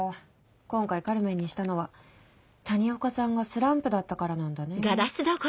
今回『カルメン』にしたのは谷岡さんがスランプだったからなんだね。